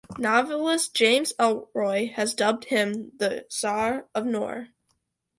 Novelist James Ellroy has dubbed him "The Czar of Noir".